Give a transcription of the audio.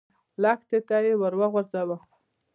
لښتي ته يې ور وغځاوه.